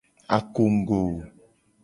Akongugo.